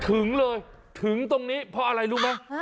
ถึงเลยถึงตรงนี้เพราะอะไรรู้ไหม